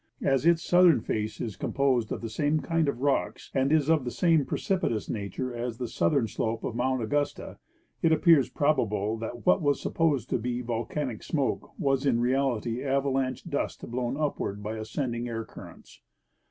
As its southern face is composed of the same kind of rocks and is of the same precipi tous nature as the southern slope of Mount Augusta, it appears probable that what was supposed to be volcanic smoke was in reality avalanche dust blown upward by ascending air currents.